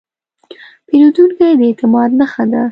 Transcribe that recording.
پیرودونکی د اعتماد نښه ده.